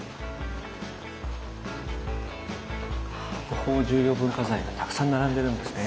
国宝重要文化財がたくさん並んでるんですね。